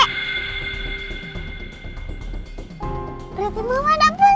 berarti mama udah pulang